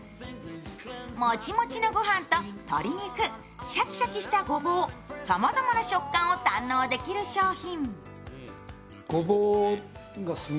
もちもちの御飯と鶏肉、シャキシャキしたごぼう、さまざまな食感を堪能できる商品。